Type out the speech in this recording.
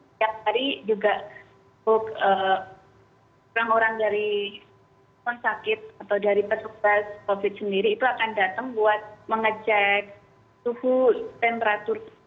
setiap hari juga orang orang dari pesakit atau dari pesukas covid sendiri itu akan datang buat mengecek suhu temperatur